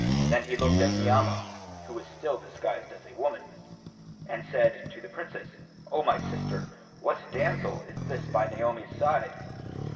Then he looked at Ni'amah (who was still disguised as a woman), and said to the Princess, "O my sister, what damsel is this by Naomi's side?"